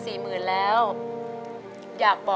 สู้ครับ